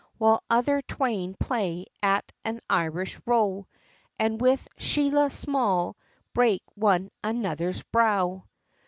Whilst other twain play at an Irish row, And, with shillelah small, break one another's brow!